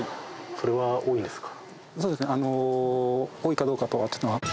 それは多いんですか？